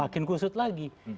makin kusut lagi